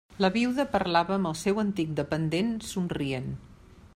La viuda parlava amb el seu antic dependent somrient.